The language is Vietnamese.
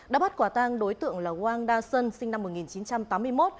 đã bắt quả tăng đối tượng là wang da shen sinh năm một nghìn chín trăm tám mươi một